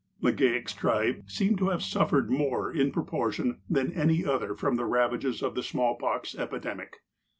Legale' s tribe seemed to have suffered more, in propor tion, than any other from the ravages of the smallpox epidemic.